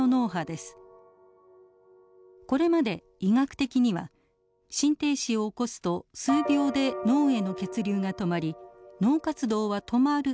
これまで医学的には心停止を起こすと数秒で脳への血流が止まり脳活動は止まるとされてきました。